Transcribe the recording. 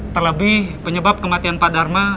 terlebih penyebab kematian pak dharma